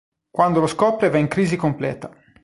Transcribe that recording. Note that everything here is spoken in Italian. Quando lo scopre va in crisi completa.